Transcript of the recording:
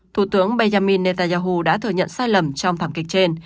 thủ tướng benjamin netanyahu đã thừa nhận sai lầm trong thảm kịch trên